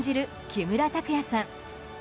木村拓哉さん。